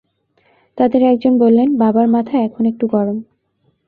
তাঁদের একজন বললেন, বাবার মাথা এখন একটু গরম।